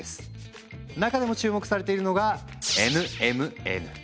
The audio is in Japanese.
中でも注目されているのがＮＭＮ。